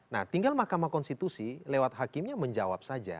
nah tinggal mahkamah konstitusi lewat hakimnya menjawab saja